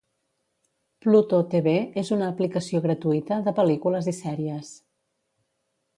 Pluto tv és una aplicació gratuïta de pel·lícules i sèries